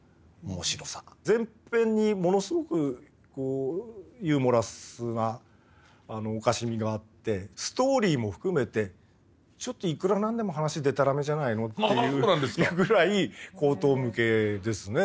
全編にものすごくユーモラスなおかしみがあってストーリーも含めてちょっといくらなんでも話でたらめじゃないのっていうぐらい荒唐無稽ですね。